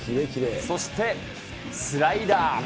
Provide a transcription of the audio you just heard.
そしてスライダー。